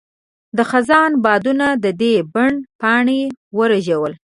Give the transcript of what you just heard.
د خزان بادونو د دې بڼ پاڼې ورژول.